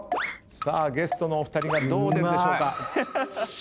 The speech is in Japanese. さあゲストのお二人がどう出るでしょうか？